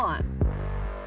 lalu tambahkan kue